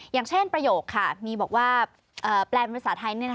อย่างเช่นประโยคค่ะมีบอกว่าแปลภาษาไทย